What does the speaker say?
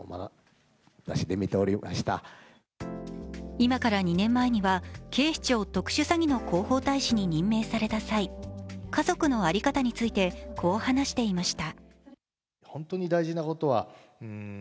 今から２年前には警視庁特殊詐欺の広報大使に任命された際、家族の在り方についてこう話していました。